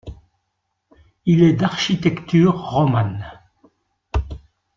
Il est d'architecture romane.